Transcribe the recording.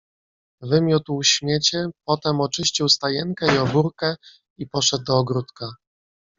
"Wymiótł śmiecie, potem oczyścił stajenkę i obórkę i poszedł do ogródka."